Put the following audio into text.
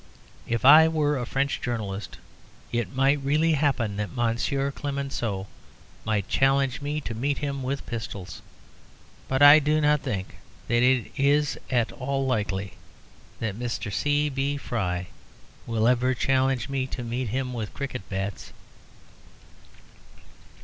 If I were a French journalist it might really happen that Monsieur Clemenceau might challenge me to meet him with pistols. But I do not think that it is at all likely that Mr. C. B. Fry will ever challenge me to meet him with cricket bats.